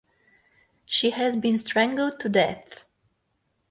She had been strangled to death.